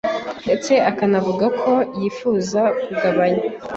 ndetse akanavuga ko yifuza kugabanya